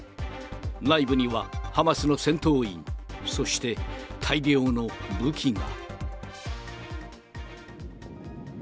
内部には、ハマスの戦闘員、そして大量の武器が。